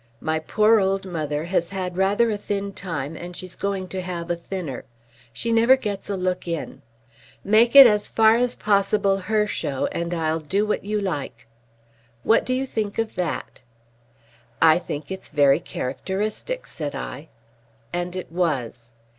My poor old mother has had rather a thin time and she's going to have a thinner. She never gets a look in. Make it as far as possible her show, and I'll do what you like.' What do you think of that?" "I think it's very characteristic," said I. And it was.